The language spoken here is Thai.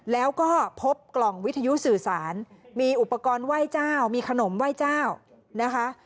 แล้วก็พบกล่องวิทยุสื่อสารมีอุปกรณ์ไหว้เจ้ามีขนมไหว้เจ้านะคะ